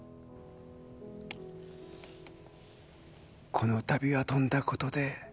・この度はとんだことで。